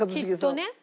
きっとね。